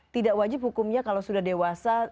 tidak wajib hukumnya kalau sudah dewasa